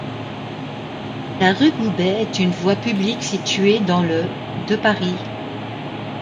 La rue Goubet est une voie publique située dans le de Paris.